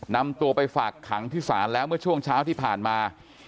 นำตัวไปฝากขังที่ศาลแล้วเมื่อช่วงเช้าที่ผ่านมา